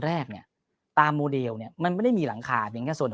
แรกเนี่ยตามโมเดลเนี่ยมันไม่ได้มีหลังคาเพียงแค่โซน